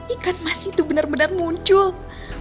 ikan emas itu benar benar muncul